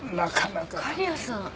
狩矢さん。